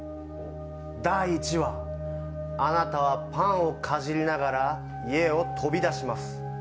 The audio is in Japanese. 第１話、あなたはパンをかじりながら家を飛び出します。